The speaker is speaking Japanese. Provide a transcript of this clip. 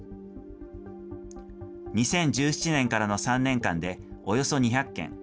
２０１７年からの３年間で、およそ２００件。